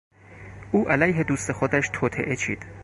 او علیه دوست خودش توطئه چید.